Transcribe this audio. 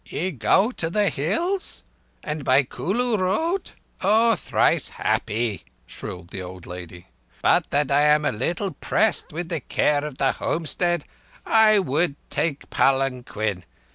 "Ye go to the Hills? And by Kulu road? Oh, thrice happy!" shrilled the old lady. "But that I am a little pressed with the care of the homestead I would take palanquin